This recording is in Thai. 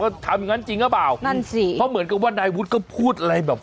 ทำอย่างงั้นจริงหรือเปล่านั่นสิเพราะเหมือนกับว่านายวุฒิก็พูดอะไรแบบ